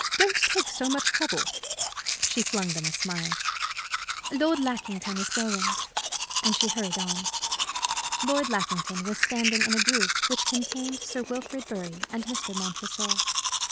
Don't take so much trouble." She flung them a smile. "Lord Lackington is going," and she hurried on. Lord Lackington was standing in a group which contained Sir Wilfrid Bury and Mr. Montresor.